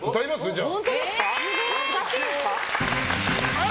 じゃあ。